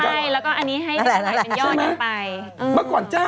คุณหมอโดนกระช่าคุณหมอโดนกระช่า